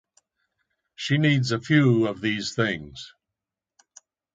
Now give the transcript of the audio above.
She needs a few of these things.